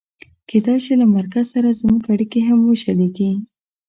کېدای شي له مرکز سره زموږ اړیکې هم وشلېږي.